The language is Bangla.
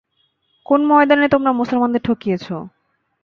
কোন ময়দানে তোমরা মুসলমানদের ঠকিয়েছ?